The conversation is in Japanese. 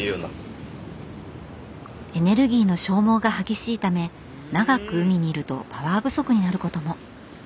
エネルギーの消耗が激しいため長く海にいるとパワー不足になることも。